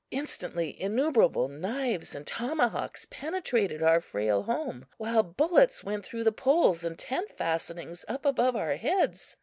Instantly innumerable knives and tomahawks penetrated our frail home, while bullets went through the poles and tent fastenings up above our heads.